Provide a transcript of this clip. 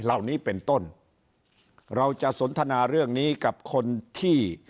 เหล่านี้เป็นต้นเราจะสนทนาเรื่องนี้กับคนที่